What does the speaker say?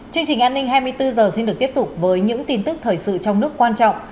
chương trình an ninh hai mươi bốn h xin được tiếp tục với những tin tức thời sự trong nước quan trọng